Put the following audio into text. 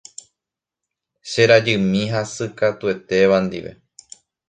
Che rajymi hasykatuetéva ndive.